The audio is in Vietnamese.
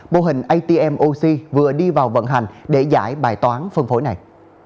bộ hình atm oxy vừa đi vào vận hành để giải bài toán phân phối này